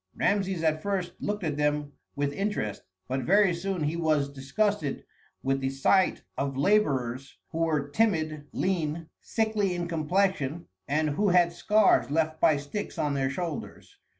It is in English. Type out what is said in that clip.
Rameses at first looked at them with interest, but very soon he was disgusted with the sight of laborers who were timid, lean, sickly in complexion, and who had scars left by sticks on their shoulders.